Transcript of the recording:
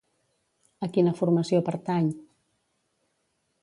A quina formació pertany?